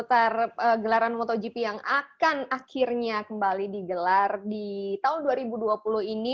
ok itu dia tadi fiti menari kita ya seputar gelaran motogp yang akan akhirnya kembali digelar di tahun dua ribu dua puluh ini